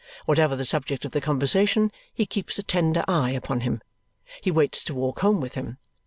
Whatever the subject of the conversation, he keeps a tender eye upon him. He waits to walk home with him.